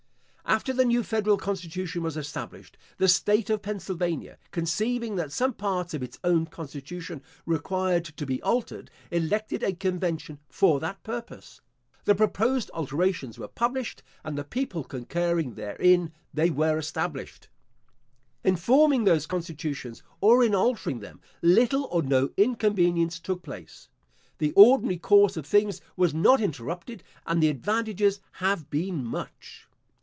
After the new federal constitution was established, the state of Pennsylvania, conceiving that some parts of its own constitution required to be altered, elected a convention for that purpose. The proposed alterations were published, and the people concurring therein, they were established. In forming those constitutions, or in altering them, little or no inconvenience took place. The ordinary course of things was not interrupted, and the advantages have been much.